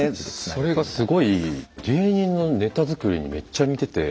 それがすごい芸人のネタづくりにめっちゃ似てて。